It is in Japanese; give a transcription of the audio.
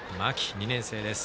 ２年生です。